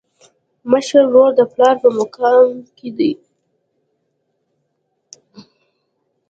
مشر ورور د پلار په مقام کي دی.